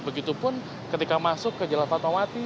begitupun ketika masuk ke jalan fatmawati